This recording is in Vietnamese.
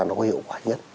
nó có hiệu quả nhất